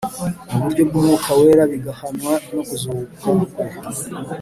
mu buryo bw'Umwuka Wera, bigahamywa no kuzuka kwe,